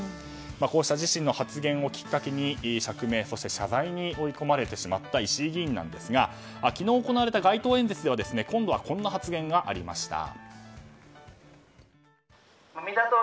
こうした自身の発言をきっかけに釈明、謝罪に追い込まれてしまった石井議員なんですが昨日行われた街頭演説では今度はこんな発言がありました。